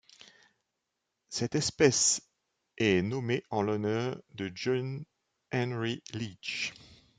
Cette espèce est nommée en l'honneur de John Henry Leech.